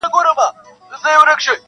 ځان بېغمه کړه د رېګ له زحمتونو-